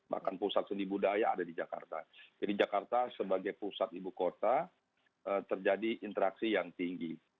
bahkan pusat seni budaya ada di jakarta jadi jakarta sebagai pusat ibu kota terjadi interaksi yang tinggi